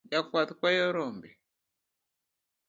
Jakwath kwayo rombe